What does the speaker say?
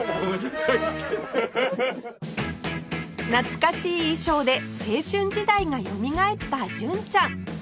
懐かしい衣装で青春時代がよみがえった純ちゃん